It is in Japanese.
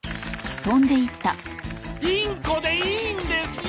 インコでいいんですよ！